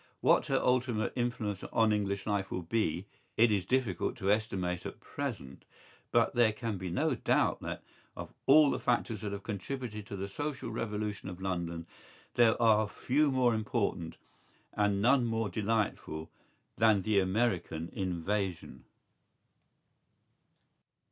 ¬Ý What her ultimate influence on English life will be it is difficult to estimate at present; but there can be no doubt that, of all the factors that have contributed to the social revolution of London, there are few more important, and none more delightful, than the American Invasion.